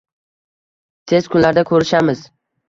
Tez kunlarda ko'rishamiz.